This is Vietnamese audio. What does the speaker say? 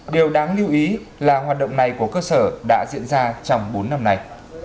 điều đáng lưu ý là hoạt động này của cơ sở đã diễn ra trong bốn năm nay